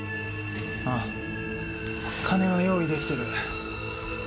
ああ金は用意できてる。